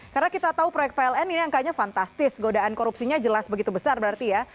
karena kita tahu proyek pln ini angkanya fantastis godaan korupsinya jelas begitu besar berarti ya